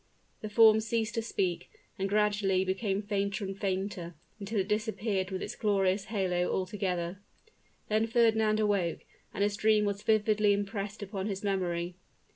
The form ceased to speak, and gradually became fainter and fainter, until it disappeared with its glorious halo altogether. Then Fernand awoke, and his dream was vividly impressed upon his memory.